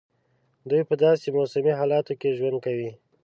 دوی په داسي موسمي حالاتو کې ژوند کوي.